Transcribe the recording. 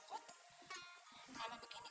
fatimah jadi enak